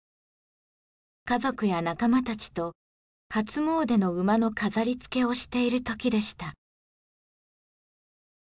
家族や仲間たちと初詣の馬の飾りつけをしている時でした。